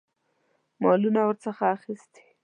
مالونه ورڅخه اخیستي.